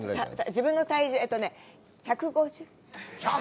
自分の体重、えっとね、１５０。